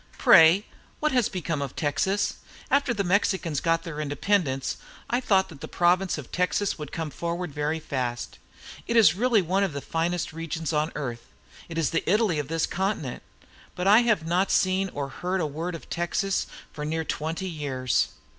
"Pray, what has become of Texas? After the Mexicans got their independence, I thought that province of Texas would come forward very fast. It is really one of the finest regions on earth; it is the Italy of this continent. But I have not seen or heard a word of Texas for near twenty years."